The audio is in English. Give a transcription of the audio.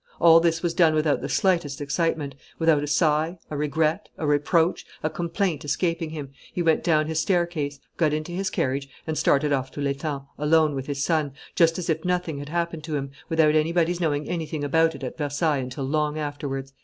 All this was done without the slightest excitement; without a sigh, a regret, a reproach, a complaint escaping him, he went down his staircase, got into his carriage, and started off to L'Etang, alone with his son, just as if nothing had happened to him, without anybody's knowing anything about it at Versailles until long afterwards."